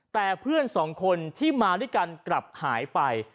แต่เพื่อนสองคนที่มาด้วยกันกลับหายไป